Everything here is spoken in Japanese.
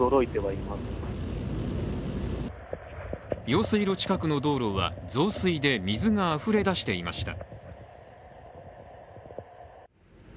用水路近くの道路は増水で水があふれ出していました。